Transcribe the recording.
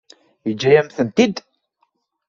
Yeǧǧa-yam-tent-id?